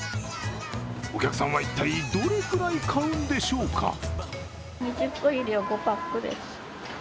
お客さんは一体どれくらい買うんでしょうか。